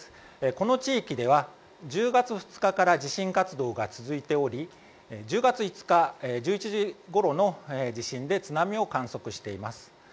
この地域では１０月２日から地震活動が続いており１０月５日１１時ごろの地震で津波を観測しています。